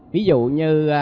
ví dụ như